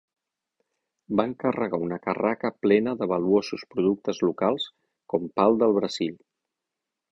Van carregar una carraca plena de valuosos productes locals, com pal del Brasil.